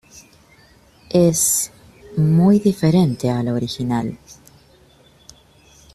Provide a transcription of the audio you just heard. Es... muy diferente a la original"".